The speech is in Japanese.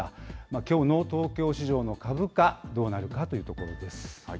きょうの東京市場の株価、どうなるかというところです。